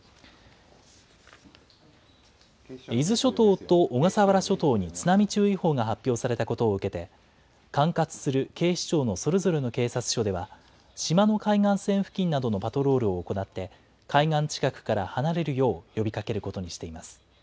伊豆諸島と小笠原諸島に津波注意報が発表されたことを受けて、管轄する警視庁のそれぞれの警察署では、島の海岸線付近などのパトロールを行って、海岸近くから離れるよう呼びかけることにしています。